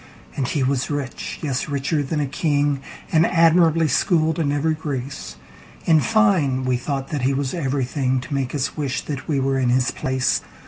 And he was rich—yes, richer than a king—And admirably schooled in every grace:In fine, we thought that he was everythingTo make us wish that we were in his place.